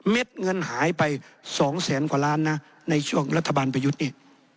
เงินหายไป๒แสนกว่าล้านนะในช่วงรัฐบาลประยุทธ์นี่